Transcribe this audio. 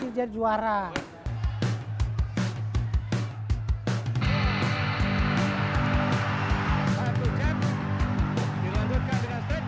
dilanjutkan dengan straight kiri